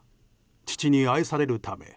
父に愛されるため。